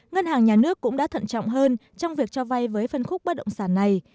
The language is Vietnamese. ngân hàng nhà nước cũng đã thận trọng hơn trong việc cho vay với phân khúc bất động sản này